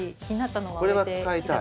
これは使いたい。